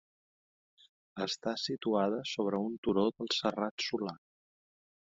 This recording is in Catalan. Està situada sobre un turó del serrat Solà.